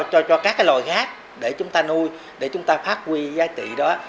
cho các cái lòi khác để chúng ta nuôi để chúng ta phát huy giá trị đó